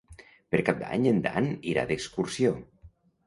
Per Cap d'Any en Dan irà d'excursió.